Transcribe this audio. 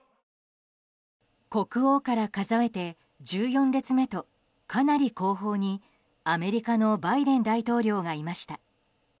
国王から数えて１４列目とかなり後方にアメリカのバイデン大統領がいました。